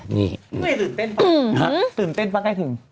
นี่ไงตื่นเต้นป่ะตื่นเต้นป่ะใกล้ถึง